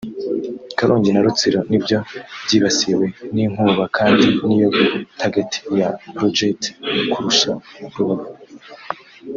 Karongi na Rutsiro nibyo byibasiwe n’inkuba kandi niyo target ya projet kurusha Rubavu